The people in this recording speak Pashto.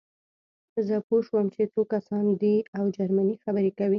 زه پوه شوم چې څو کسان دي او جرمني خبرې کوي